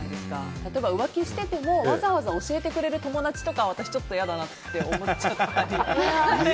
例えば浮気しててもわざわざ教えてくれる友達とかは私、ちょっと嫌だなと思ったり。